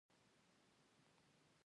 اوښ د افغانستان د صادراتو برخه ده.